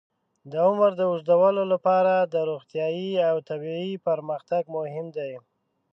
د عمر د اوږدولو لپاره روغتیايي او طبي پرمختګ مهم دی.